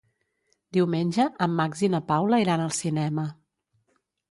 Diumenge en Max i na Paula iran al cinema.